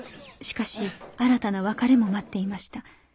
しかし新たな別れも待っていました。